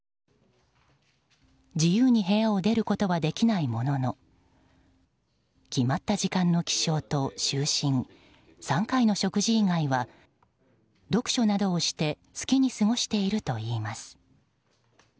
自由に部屋を出ることはできないものの決まった時間の起床と就寝３回の食事以外は読書などをして好きに過ごしているといいます。